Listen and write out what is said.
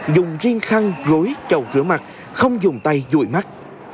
dùng riêng khăn gối chầu rửa mặt không dùng tay dụi mắt